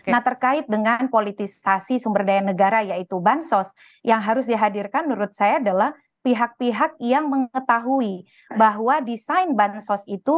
nah terkait dengan politisasi sumber daya negara yaitu bansos yang harus dihadirkan menurut saya adalah pihak pihak yang mengetahui bahwa desain bansos itu